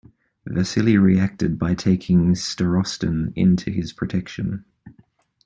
Vasily reacted by taking Starostin into his protection.